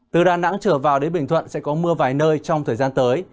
từ đà nẵng trở vào đến bình thuận sẽ có mưa vài nơi trong thời gian tới